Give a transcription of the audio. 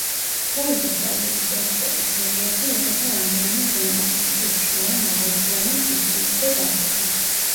თოუზის რაიონის ტერიტორიის რელიეფი იყოფა რამდენიმე ზონად: მთის შუა, მაღალმთიანი, მთისწინეთი და დაბლობი.